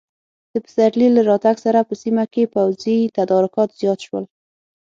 د پسرلي له راتګ سره په سیمه کې پوځي تدارکات زیات شول.